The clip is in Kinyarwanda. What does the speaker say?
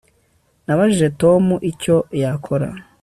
Nabajije Tom icyo yakora